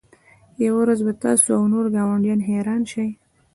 یوه ورځ به تاسو او نور ګاونډیان حیران شئ